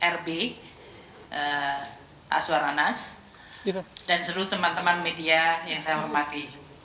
rb azwar anas dan seluruh teman teman media yang saya hormati